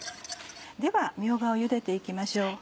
ではみょうがをゆでて行きましょう。